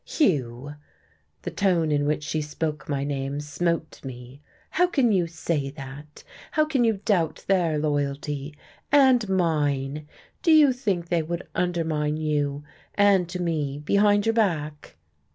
"Hugh!" The tone in which she spoke my name smote me. "How can you say that? How can you doubt their loyalty, and mine? Do you think they would undermine you, and to me, behind your back?"